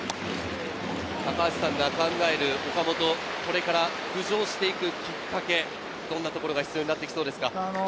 高橋さんが考える岡本、これから浮上していくきっかけ、どんなところが必要になってきそうですか？